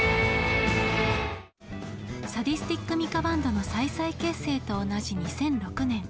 サディスティック・ミカ・バンドの再々結成と同じ２００６年。